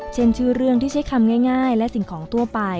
เช่นชื่อเรื่องที่ใช้คำง่ายและสิ่งของทั่วไป